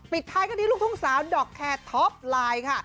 ปิดท้ายก็นี่ลูกทุ่งสาวดอกแคทท็อปไลน์